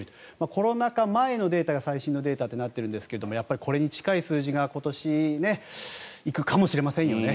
コロナ禍前のデータが最新のデータとなっているんですがやっぱりこれに近い数字が今年、行くかもしれませんよね。